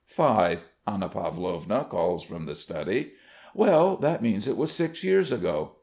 "Five," Anna Pavlovna calls from the study. "Well, that means it was six years ago.